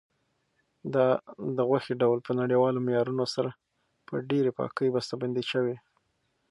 دا د غوښې ډول په نړیوالو معیارونو سره په ډېرې پاکۍ بسته بندي شوی.